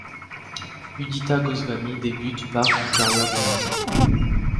Udita Goswami débute par une carrière de mannequin.